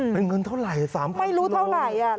เป็นเงินเท่าไหร่๓๐๐๐ไม่รู้เท่าไหร่